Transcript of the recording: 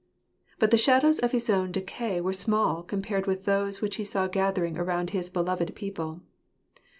But the shadows of his own decay were small compared with those which he saw gathering around his beloved people.